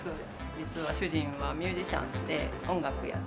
実は主人はミュージシャンで音楽やってて。